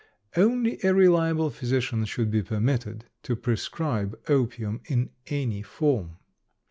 Only a reliable physician should be permitted to prescribe opium in any form.